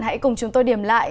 hãy cùng chúng tôi điểm lại